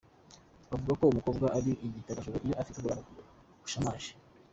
Bavuga ko umukobwa ari igitegwajoro iyo adafite uburanga bushamaje.